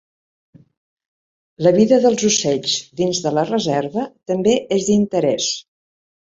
La vida dels ocells dins de la reserva també és d'interès.